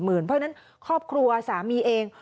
เพราะฉะนั้นครอบครัวสามีเอง